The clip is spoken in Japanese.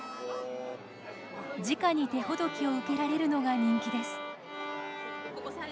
じかに手ほどきを受けられるのが人気です。